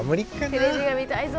テレビは見たいぞ。